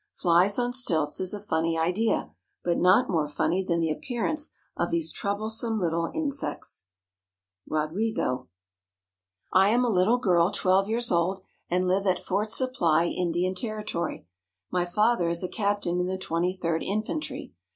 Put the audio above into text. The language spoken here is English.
Flies on stilts is a funny idea, but not more funny than the appearance of these troublesome little insects. RODRIGO. I am a little girl twelve years old, and live at Fort Supply, Indian Territory. My father is a captain in the Twenty third Infantry.